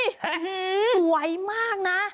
สวยมากนะ